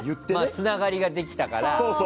つながりができたから。